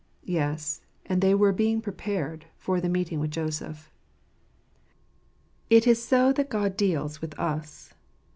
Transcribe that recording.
Yes ; and they were being prepared for the meeting with Joseph. It is so that God deals with us.